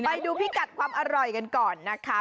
พิกัดความอร่อยกันก่อนนะคะ